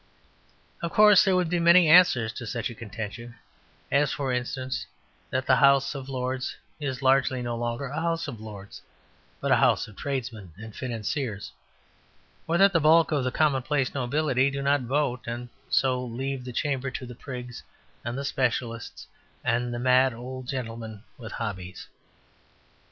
Of course, there would be many answers to such a contention, as, for instance, that the House of Lords is largely no longer a House of Lords, but a House of tradesmen and financiers, or that the bulk of the commonplace nobility do not vote, and so leave the chamber to the prigs and the specialists and the mad old gentlemen with hobbies.